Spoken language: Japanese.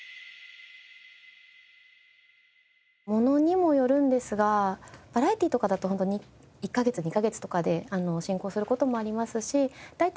ものにもよるんですがバラエティーとかだと１カ月２カ月とかで進行する事もありますし。